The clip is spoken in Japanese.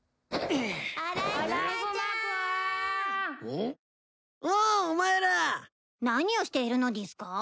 おうお前ら！何をしているのでぃすか？